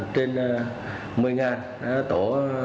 trên một mươi tổ